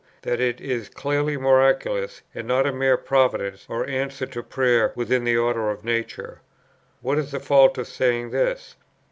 That it is clearly miraculous, and not a mere providence or answer to prayer within the order of nature. What is the fault of saying this?